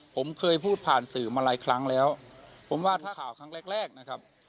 ผมเคยพูดผ่านสื่อมาหลายครั้งแล้วผมว่าถ้าข่าวครั้งแรกแรกนะครับ